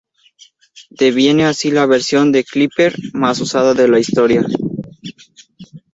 Deviene así la versión de Clipper más usada de la historia.